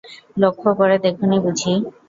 লক্ষ্য করে দেখ নি বুঝি?